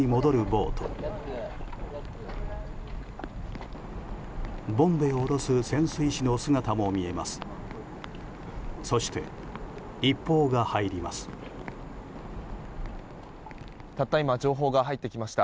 ボンベを下ろす潜水士の姿も見えます。